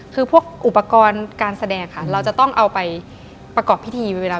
คือพวกอุปกรณ์การแสดงค่ะเราจะต้องเอาไปประกอบพิธี